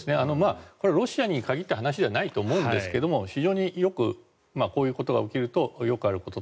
これはロシアに限った話ではないと思うんですがこういうことが起きるとよくあること。